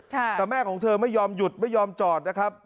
แต่แม่ของเธอไม่ยอมหยุดไม่ยอมจอดนะครับ